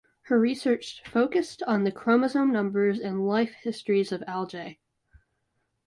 Her research focused on the chromosome numbers and life histories of algae.